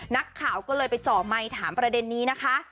นักข่าวก็เลยไปเจาะไมค์ถามประเด็นนี้นะคะ